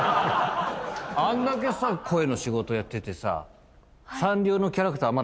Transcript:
あんだけさ声の仕事やっててさ。